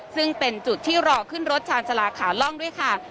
ซึ่งเป็นจุดที่รอขึ้นรถชาญชาลาขาล่องด้วยค่ะ